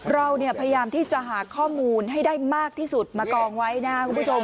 เราพยายามที่จะหาข้อมูลให้ได้มากที่สุดมากองไว้นะครับคุณผู้ชม